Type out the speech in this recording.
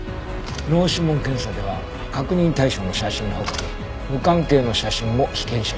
脳指紋検査では確認対象の写真の他に無関係の写真も被験者に見せる。